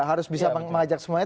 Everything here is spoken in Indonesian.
harus bisa mengajak semuanya